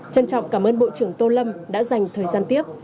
trân trọng cảm ơn bộ trưởng tô lâm đã dành thời gian tiếp